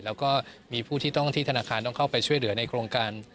แล้วก็มีผู้ที่ต้องที่ธนาคารต้องเข้าไปช่วยเหลือในโครงการ